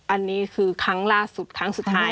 อันนี้คือครั้งล่าสุดครั้งสุดท้าย